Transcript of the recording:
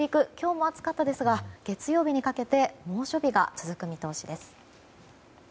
今日も暑かったですが月曜日にかけて猛暑日が続く見通しです。